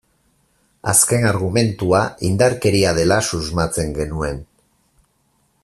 Azken argumentua indarkeria dela susmatzen genuen.